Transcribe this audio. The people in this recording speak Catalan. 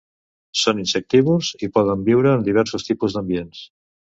Són insectívors i poden viure en diversos tipus d'ambients.